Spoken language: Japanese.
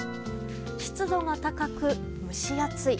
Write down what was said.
湿度が高く、蒸し暑い。